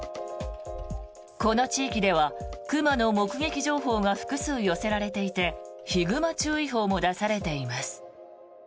この地域では熊の目撃情報が複数寄せられていてヒグマ注意報も出されています。